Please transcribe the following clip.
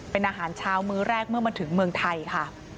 เป็นอาหารเช้ามื้อแรกเมื่อมาถึงเมืองไทยค่ะ